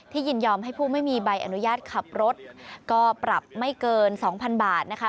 ยินยอมให้ผู้ไม่มีใบอนุญาตขับรถก็ปรับไม่เกิน๒๐๐๐บาทนะคะ